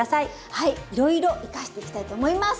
はいいろいろ生かしていきたいと思います。